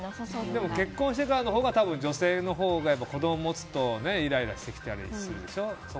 でも結婚してからのほうが女性のほうが子供を持つとイライラしてきたりするでしょ。